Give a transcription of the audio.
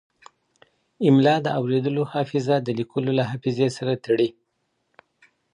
املا د اورېدلو حافظه د لیکلو له حافظې سره تړي.